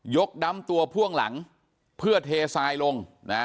กดำตัวพ่วงหลังเพื่อเททรายลงนะ